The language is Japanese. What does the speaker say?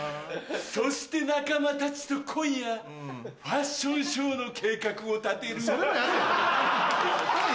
そして仲間たちと今夜ファッションショーの計画を立てるそれはやれよ。